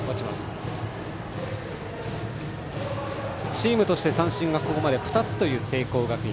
チームとして三振がここまで２つという聖光学院。